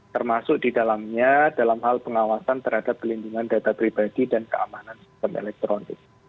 termasuk di dalamnya dalam hal pengawasan terhadap pelindungan data pribadi dan keamanan sistem elektronik